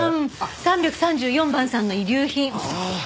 ３３４番さんの遺留品。